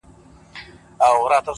د ملا لوري نصيحت مه كوه ‘